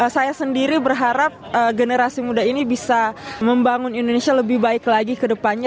saya sendiri berharap generasi muda ini bisa membangun indonesia lebih baik lagi ke depannya